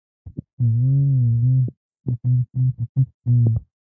افغان نبوغ خوشحال خان خټک وايي: